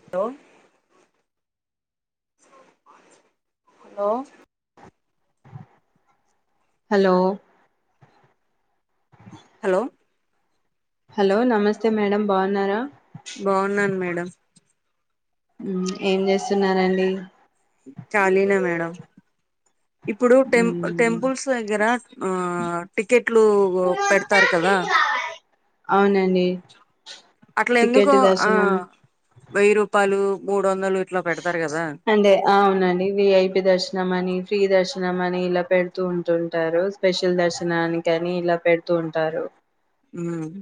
Hello hello hello hello hello నమస్తే madam బాగున్నారా బాగున్నాను మేడం ఏం చేస్తున్నారండి ఖాళీనే మేడం ఇప్పుడు టెం మ్, టెంపుల్స్ దగ్గర ఆ టికెట్లు పెడతారు కదా అవునండి అట్లా ఎందుకు టికెట్ ఆ దర్శనం వెయ్యి రూపాయలు మూడు వందలు ఇట్లా పెడతారు కదా అంటే అవునండి వి ఐ పి దర్శన్ మని ఫ్రీ దర్శనం అని ఇలా పెడుతూ ఉంటుంటారు స్పెషల్ దర్శన్ నానిక్ గానీ ఇలా పె తు ఉంటారు. ఉమ్మ్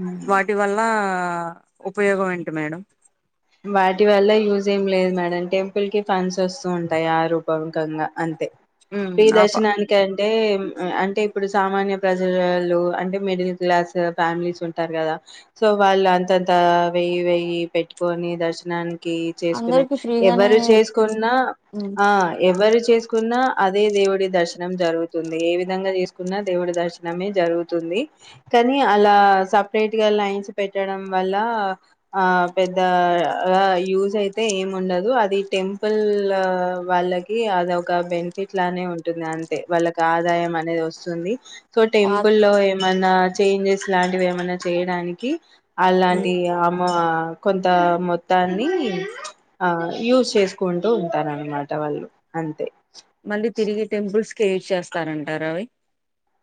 మ్, వాటి వల్ల. ఆ ఉపయోగం ఏంటి మేడం. వాటి వల్ల యూజ్ ఏం లేదు మేడం. టెంపుల్ కి ఫండ్స్ వస్తూ ఉంటాయి. ఆ రూపకంగా అన్ ఉమ్ ఫ్రీ ఆప దర్శనానిక్ అంటే. అంటే ఇప్పుడు సామాన్య ప్రజలలు అంటే మిడిల్ క్లాస్ ఫ్యామిలీస్ ఉంటారు కదా, సో వాళ్ళు అంతంత వెయ్యి వెయ్యి పెట్టు. కొని దర్శనానిక్. కి చేసుకునే అందరికి ఫ్రీగానే ఎవరు చేసుకున్నా, ఉమ్ ఆ ఎవరు చేస్. కున్నా అదే దేవుడి దర్శనం జరుగుతుంది. ఏ విధంగా చేసుకున్నా దేవుడి దర్శనమే జరుగుతుంది, కానీ అలా సపరేట్ గా లైన్స్ పెట్టడం వల్ల ఆ పెద్ద ఆ యూజ్ అయితే ఏం ఉండదు. అది టెంపుల్ వాళ్ళకి అదొక బెన్ఫిట్ లానే ఉంటుంది. అంతే వాళ్ళకి ఆదాయం అనేది వస్తుంది. సో ఆ టెంపుల్ లో ఏమన్నా. చేంజెస్ లాంటివి ఏమన్నా చేయడానికి. అలాంటి ఉమ్ ఆమా కొంత మొత్తాన్ని, ఆ యూస్ చేసుకుంటూ ఉంటారున్నమాట వాళ్ళు అంతే. యూస్ చేస్తారంటారా అవి.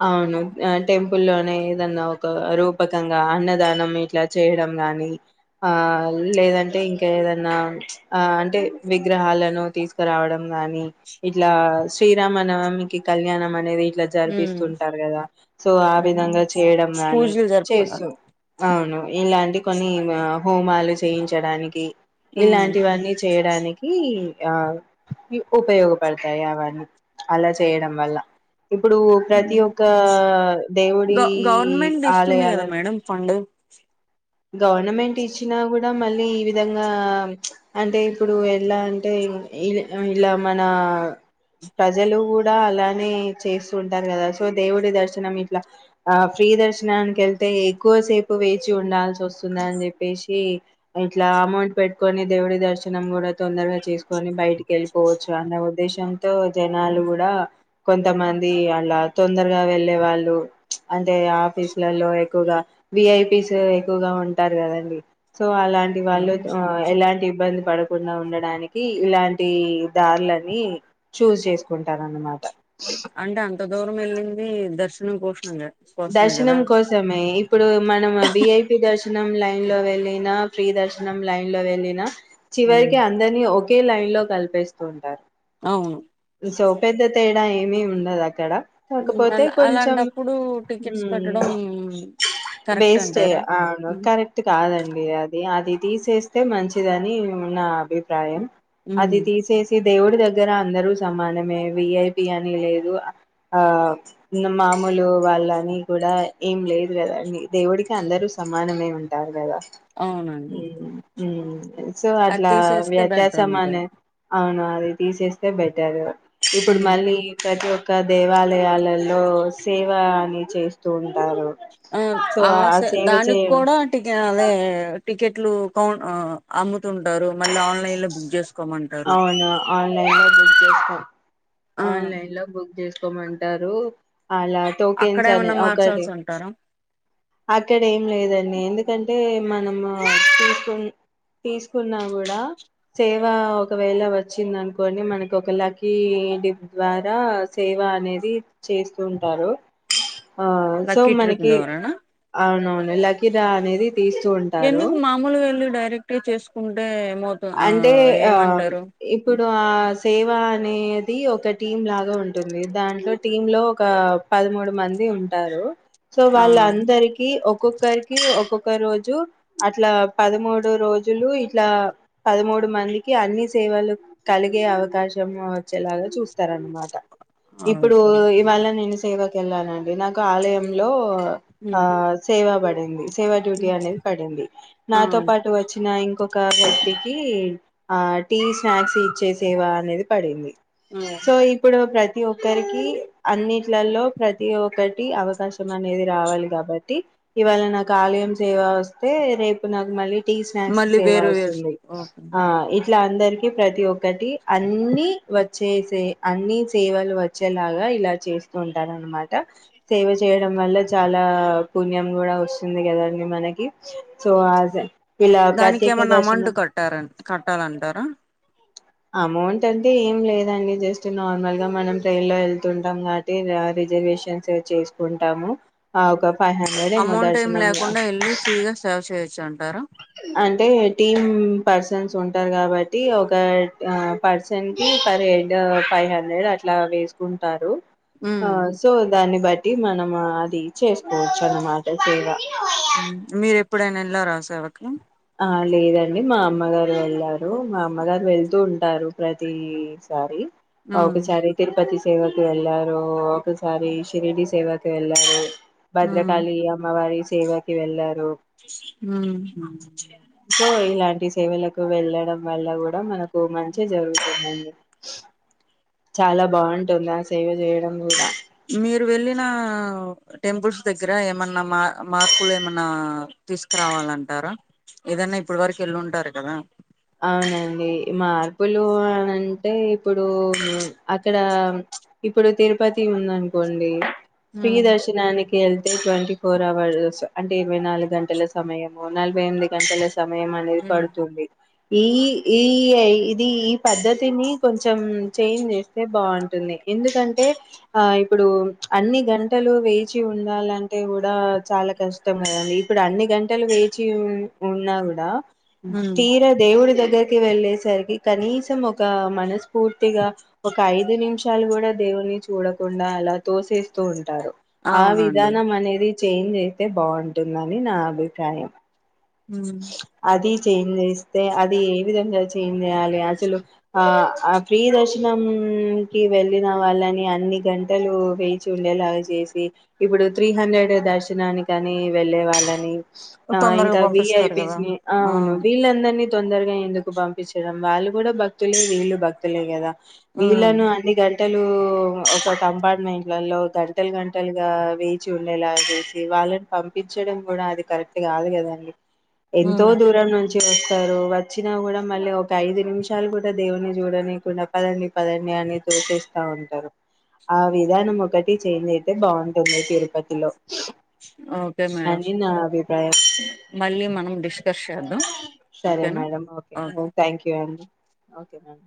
అవును ఆ టెంపుల్లోనే ఏదన్నా ఒక రూపకంగా అన్నదానం ఇట్లా చేయడం గాని, ఆ లేదంటే ఇంకా ఏదన్నా ఆ అంటే విగ్రహాలను తీసుకురావడం గాని, ఇట్లా శ్రీరామనవమికి కళ్యాణం అనేది. ఇలా జరిపిస్ ఉమ్ తుంటారు కదా సో ఆ ఉమ్ విధంగా చేయడం గాని పూజలు జరుపుకోవడానికి అవును ఇలాంటి కొన్ని ఆ. హోమాలు చేయించడానికి. ఉమ్ ఇలాంటివన్నీ చేయడానికి. ఆ ఉపయోగపడతాయి అవన్నీ అలా చేయడం వల్ల. ఇప్పుడు ప్రత్ ప్రతి ఉమ్ ఒక్క గ దేవుడి ఆలయాలను. క్ష గవర్నమెంట్ ఇచ్చినా కూడా మళ్ళీ ఈ విధంగా అంటే, ఇప్పుడు ఎలా అంటే ఇలా మన ప్రజలు కూడా అలానే చేస్తూ ఉంటారు కదా. సో దేవుడి దర్శనం ఇట్లా ఆ ఫ్రీ దర్శనానికి వెళ్తే ఎక్కువ సేప్. వేచిఉండాల్స్ స్తుందా అని చెప్పేసి, ఇట్లా అమౌంట్ పెట్టుకొని దేవుడి దర్శనం కూడా తొందరగా చేసుకొని బయటికి వెళ్ళిపోవచ్చు, అన్న ఉద్దేశంతో జనాలు గూడ. కొంతమంది అళ్ళ. తొందరగా వెళ్ళే వాళ్ళు, అంటే ఆఫీస్లలో ఎక్కువగా వి ఐ పిస్. ఎక్కువగా ఉంటారు కదండి. సో అలాంటి వాళ్ళు, ఆ ఎలాంటి ఇబ్బందుల్ పడకుండా ఉండడానికి ఇలాంటి దారులని చూజ్ చేసుకున్. అంటే అంత దూరం వెళ్ళింది దర్శ పోషణంగా దర్శనం కోసమే ఇప్పుడు మనం వీఐపీ దర్శ్ నం లైన్ లో వెళ్ళిన ఫ్రీ దర్శనం లైన్ లో వెళ్ళిన చివరికి అందరిని ఒక కే లైన్ లో కలిపేస్తుంటారు అవును సో పెద్దతే ఇలా టైమే ఉండదు అక్కడ కాకపోతే అలా కొంచెం అలాంటప్పుడు టికెట్స్ మ్ పెట్టడం కరెక్ట్ వేస్ట్ అంటారా అవును కరెక్ట్ కాదండి అది అది అది తీసేస్తే మంచిదని నా అభిప్రాయం ఉమ్ అది తీసేసి దేవుడి దగ్గర గ్గర అందరు సమానమే విఐపి అని లేదు ఆ మామూలు వాళ్ళ అని కూడా ఏం లేదు కదండి దేవుడికి అందరూ సమానమే ఉంటారు కదా అవునండి ఉం సో అది అట్లా తీసేస్తే బెటర్ వ్యత్యాసం అని అంటారు అవున తీసేస్తే బయి [unintelligible] ఇప్పుడు ఉమ్. మళ్ళీ ప్రతి ఒక్క క దేవాలయాలలో సేవ అని చేస్తూ ఉంటారు ఆ సో ఆశ ఆ సేవ దానికి చేయ కూడా అదే టికెట్లు క అమ్ముతుంటారు మళ్ళీ ఆన్లైన్ లో బుక్ చేసుకోమంటారు అవునా ఆన్లైన్లో బుక్ చేస్కొ ఆ ఆన్లైన్ లో బుక్ చేసు కొమంటారు అలా అక్కడ టోకేన్స్ అనే ఏమన్నా ఒకటి మార్చాల్సి ఉంటారా అక్కడ ఏం లేదండి ఎందుకంటే మనము తీసుకు తీసుకున్నా గూడా సేవ ఒకవేళ వచ్చింది అనుకోని మనకు ఒక లకీ డిప్ ద్వారా సేవ అనేది చేస్తూ ఉంటారు ఆ సో లక్కీ ట్రిప్ మనకి ద్వారానా అవునవును లకిడ్రా అనేది తీస్తూ ఉంటారు ఎందుకు మామూలుగా వెళ్ళు డైర్ క్ట్ చేసుకుంటే ఏమవుతు ఆ అంటే ఆ ఏమంటారు ఇప్పుడు ఆ సేవ్ వ అనేది ఒక టీం లాగా ఉంటుంది.. దాంట్లో టీం లో ఒక పదమూడు మంది ఉంటారు. సో ఆ వాళ్ళందరికి ఒక్కొక్కరికి ఒక్కొక్ ఒక రోజు అట్లా పదమూడు రోజులు ఇట్లా పదమూడు మందికి అన్ని సేవలు కలిగే అవకాశము వచ్చేలాగా చూస్తారన్నమాట. అవును ఇప్పుడు సరే ఇవాళ నేను సేవ కెళ్ళానండి నాకు ఆలయంలో ఆ సేవాబడి ఉంది సేవా డ్యూటీ అనేది పడింది. ఆ నాతో పాటు వచ్చిన ఇంకొక వ్యక్తి క్ కి ఆ టీ, స్నాక్స్ ఇచ్చేసేవ అనేది పడింది. ఆ సో ఇప్పుడు ప్ర ప్రతి ఒక్కరికి అన్నిట్లలో ప్రతి ఒక్కటి అవకాశం అనేది రావాలి కాబట్టి. ఇవాళ నాకు ఆలయం సేవ వస్తే రేపు నాకు మళ్ళీ టీ, స్నాక్స్ మళ్ళీ సేవ వేరు వేరు వస్తుంది. ఓకే ఆ ఇట్లా అందరికి ప్రతి ఒక్కటి అన్ని వచ్చే సే అన్ని సేవలు వచ్చేలాగా ఇలా చేస్తూ ఉంటారు. అన్నమాట సేవ చేయడం వల్ల చాలా పుణ్యం కూడా వస్తుంది కదండి మనకి సో ఆ ఇలా ప్రత్యేక దర్శనం కట్టార కట్టాలంటారా అమౌంట్ అంటే ఏం లేదండి జస్ట్ నార్మల్గా మనం ట్రైన్ లో వెళ్తుంటాం కాబట్టి. రిజర్వేషన్స్ చేసుకుంటాము. ఆ ఒక ఫైవ్ హండ్రెడ్ ఏమో అమౌంట్ ఏమి దర్శనం లేకుండా. వెళ్ళి ఫ్రీగా సేవ చేయొచ్చ అండి ధార అంటే టీమ్ పర్సన్స్ ఉంటారు కాబట్టి. ఒక పర్సన్ కి పర్ హెడ్ ఫైవ్ హండ్రెడ్ అట్లా వేసుకుంటారు. ఆ సో దాన్ని బట్ ట్టి మనమా అది చేసుకోవచ్చు. అన్నమాట సేవ మీరే ఎప్పుడైనా ఎలా రా సేవకి ఆ లేదండి. మా అమ్మగారు వెళ్ళారు. మా అమ్మగారు వెళ్తూ ఉంటారు. ప్రతి సారి ఉమ్ ఓకసారి తిరుపతి స్ సేవకు వెళ్లారు, ఒకసారి శిరిడి సేవకు వెళ్లారు భద్రకాళి అమ్మవారి స్ సేవకి వెళ్లరు ఉహ్మ్ సో ఇలాంటి సేవలకు వెళ్ళడం వల్ల కూడా మన కు మంచే జరుగుతుందండి చాలా బాగుంటుంది. ఆ సేవ చేయడం కూడా మీరు వెళ్ళిన ఆ టెంపుల్స్, దగ్గర ఏమన్నా మా మార్పులు ఏమన్నా తీసుకురావాలంటారా. ఏదన్నా ఇప్పడ వరకు వెళ్లుంటారు కదా అవునండి మార్పులు అ అంటే ఇప్పుడు అక్కడా ఇప్పుడు తిరుపతి ఉందనుకోండి ఉమ్ శ్రీదర్శనానికి వెళ్తే ట్వంటీ ఫోర్ అవర్స్ అంటే ఇరవై నాలుగు గంటల సమయము నలభై ఎనిమిది గంటల సమయం అనేది పడుతుంది ఈ ఈ ఇది ఈ పద్ధతిని కొంచెం చేంజ్ చేస్తే బాగుంటుంది ఎందుకంటే ఆ ఇప్పుడు అన్ని గంటలు వేచి ఉండాలంటే కూడా చాలా కష్టం కదండీ ఇప్పుడు అన్ని గంటలు వేచి ఉన్నా గూడా తీరా దగ్గరికి వెళ్ళేసరికి కనీసం ఒక మనసు పూర్తిగా ఒక ఐదు నిమిషం షాలు కూడా దేవున్ని చూడకుండా అలా తోసేస్తూ ఉంటారు ఆ అవునండి విధానం మనేది చేంజ్ అయితే బాగుంటుందని నా అభిప్రాయం ఉ అది చేంజ్ చేస్తే అది ఏ విధంగా చేంజ్ చేయాలి అసలు ఆ ఆ ఫ్రీ దర్శనంకి వెళ్ళిన వాళ్ళని అన్ని గంటలు వేచి ఉండేలాగా చేసి ఇప్పుడు త్రీ హండ్రెడ్ దర్శనానికని వెళ్ళే వాళ్ళని ఆ తొందరగా ఇంకా పంప్ విఐపీస్ అవును వీళ్ళందరినీ తొందరగా ఎందుకు పంపించడం వాళ్ళు కూడా భక్తులే వీళ్ళు భక్తులే కదా ఉమ్ వీళ్ళలను అన్నిగంట గంటలు ఒక కంపార్ట్మెంట్లలో గంటలు గంటలుగా వేచి ఉండేలాగా చేసి వాళ్ళని పంపించడం కూడా అది కరెక్ట్ గాదు కదాండి ఎంతో ఉమ్ దూరం నుంచి వస్తారు వచ్చినా కూడా మళ్ళీ ఒక ఐదు నిమిషాలు కూడా దేవుని చూడనికుండా పదండి పదండి అని చూపిస్తా ఉంటారు ఆ విధానం ఒకటి చెజ అయితే బాగుంటుంది తిరుపతిలో ఓకే మేడం అని నా అభిప్రాయం మళ్ళీ మనం డిస్కస్ చేద్దాం ఓకేనా ఓకె [unintelligible] ఓకె రన్